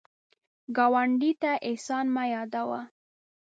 ګاونډي ته احسان مه یادوه